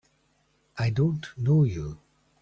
I don't know you!